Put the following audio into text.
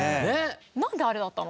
なんであれだったの？